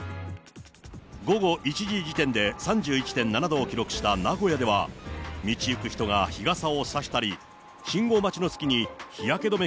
午後１時時点で３１．７度を記録した名古屋では、道行く人が日傘を差したり、信号待ちの隙に日焼け止め